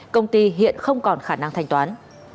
công ty hiện không còn khả năng thanh toán